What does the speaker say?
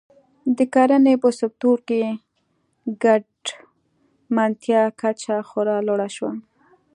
د کرنې په سکتور کې ګټمنتیا کچه خورا لوړه شوه.